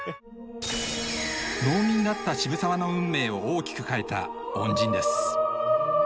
農民だった渋沢の運命を大きく変えた恩人です。